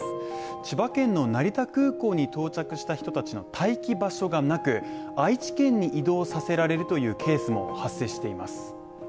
千葉県の成田空港に到着した人たちの待機場所がなく、愛知県に移動させられるというケースも発生しています。